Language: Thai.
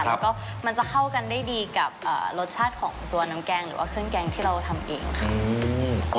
แล้วก็มันจะเข้ากันได้ดีกับรสชาติของตัวน้ำแกงหรือว่าเครื่องแกงที่เราทำเองค่ะ